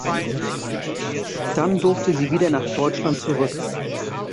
Dann durfte sie wieder nach Deutschland zurück.